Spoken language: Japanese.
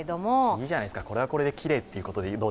いいじゃないですか、これはこれできれいってことで。